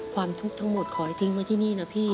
ความทุกข์ทั้งหมดขอให้ทิ้งไว้ที่นี่นะพี่